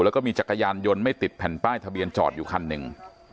แล้วก็มีจักรยานยนต์ไม่ติดแผ่นป้ายทะเบียนจอดอยู่คันหนึ่ง